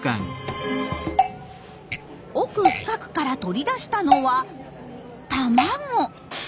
奥深くから取り出したのは卵。